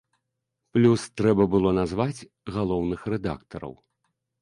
Плюс трэба было назваць галоўных рэдактараў.